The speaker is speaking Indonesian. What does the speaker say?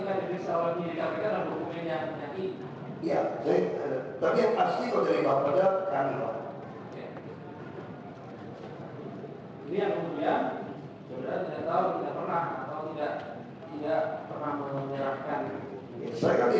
nah ini besarnya akan dibutuhkan sesuai formulasi